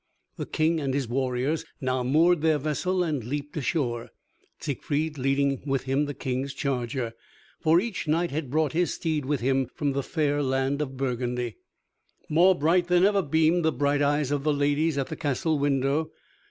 The King and his warriors now moored their vessel and leaped ashore, Siegfried leading with him the King's charger. For each knight had brought his steed with him from the fair land of Burgundy. More bright than ever beamed the bright eyes of the ladies at the castle window.